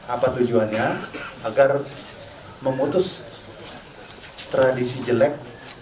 apa tujuannya agar memutus tradisi jelek